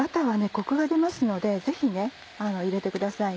コクが出ますのでぜひ入れてください。